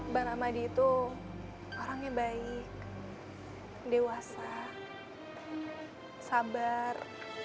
mbak ramadi itu orangnya baik dewasa sabar